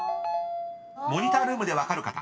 ［モニタールームで分かる方］